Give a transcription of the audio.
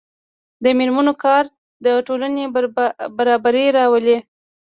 د میرمنو کار د ټولنې برابري راولي.